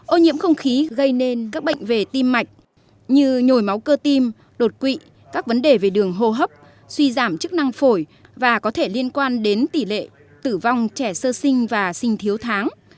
ô nhiễm không khí gây nên các bệnh về tim mạch như nhồi máu cơ tim đột quỵ các vấn đề về đường hô hấp suy giảm chức năng phổi và có thể liên quan đến tỷ lệ tử vong trẻ sơ sinh và sinh thiếu tháng